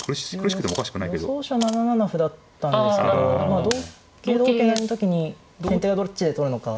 予想手は７七歩だったんですけどまあ同桂成の時に先手がどっちで取るのか。